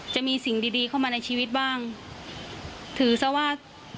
จะมีสิ่งดีดีเข้ามาในชีวิตบ้างถือซะว่า